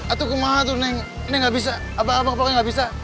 aduh kemah tuh neng neng enggak bisa abah apa apa enggak bisa